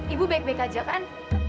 ibu baik baik aja kan